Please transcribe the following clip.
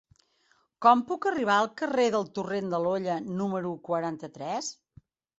Com puc arribar al carrer del Torrent de l'Olla número quaranta-tres?